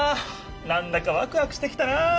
なんだかワクワクしてきたな。